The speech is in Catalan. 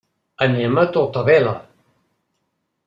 Anem a tota vela.